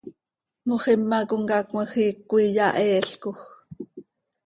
Moxima comcaac cmajiic coi yaheeelcoj.